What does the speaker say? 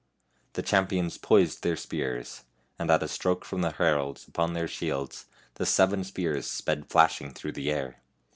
The champions poised their spears, and at a stroke from the heralds upon their shields the seven spears sped flashing through the air.